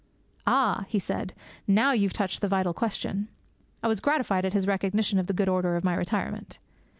'Ah,' he said, 'now you've touched the vital question.' I was gratified at his recognition of the good order of my retirement.